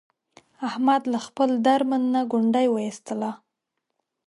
احمد له خپل درمند نه ګونډی و ایستلا.